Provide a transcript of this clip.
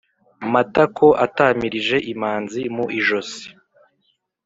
Matako atamirije imanzi mu ijosi